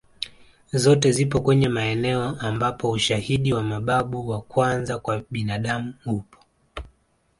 Zote zipo kwenye maeneo ambapo ushahidi wa mababu wa kwanza kwa binadamu upo